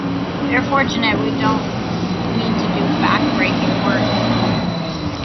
We are fortunate we don't need to do backbreaking work.